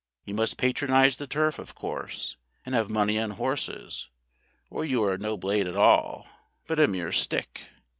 You must patronise the Turf, of course, and have money on horses, or you are no Blade at all, but a mere stick.